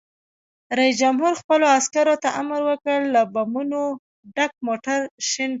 رئیس جمهور خپلو عسکرو ته امر وکړ؛ له بمونو ډک موټر شنډ کړئ!